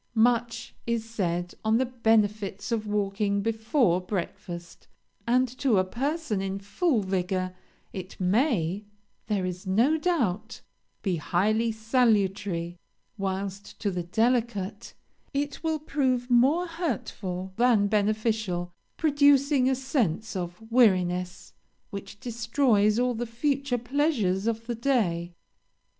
"Much is said on the benefits of walking before breakfast, and to a person in full vigor it may, there is no doubt, be highly salutary; whilst, to the delicate, it will prove more hurtful than beneficial, producing a sense of weariness which destroys all the future pleasures of the day.